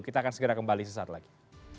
kita akan segera kembali sesaat lagi